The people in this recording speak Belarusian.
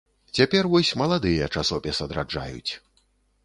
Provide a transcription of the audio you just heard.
Цяпер вось маладыя часопіс адраджаюць.